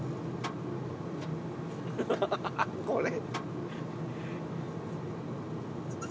ハハハハこれ。